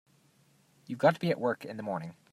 You've got to be at work in the morning.